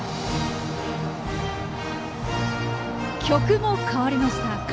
曲も変わりました。